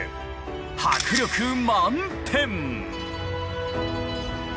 迫力満点！